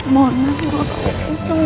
mohonlah gua tolong